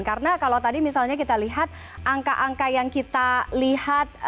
karena kalau tadi misalnya kita lihat angka angka yang kita lihat